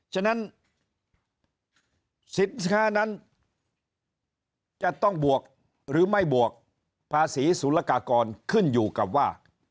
ฉะนั้นสินค้านั้นจะต้องบวกหรือไม่บวกภาษีศูนย์ละกากรขึ้นอยู่กับว่า